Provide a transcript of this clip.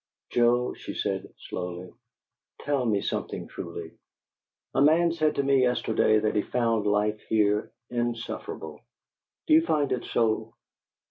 "Joe," she said, slowly, "tell me something truly. A man said to me yesterday that he found life here insufferable. Do you find it so?"